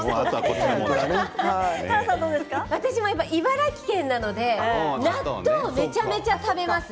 私も茨城県なので納豆をめちゃめちゃ食べます。